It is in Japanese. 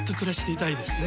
いいですね。